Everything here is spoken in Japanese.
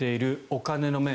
お金の面